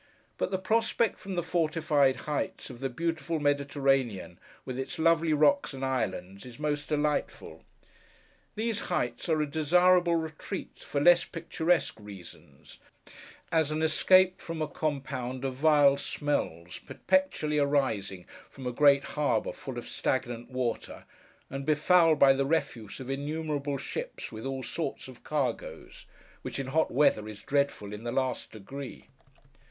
But the prospect, from the fortified heights, of the beautiful Mediterranean, with its lovely rocks and islands, is most delightful. These heights are a desirable retreat, for less picturesque reasons—as an escape from a compound of vile smells perpetually arising from a great harbour full of stagnant water, and befouled by the refuse of innumerable ships with all sorts of cargoes: which, in hot weather, is dreadful in the last degree.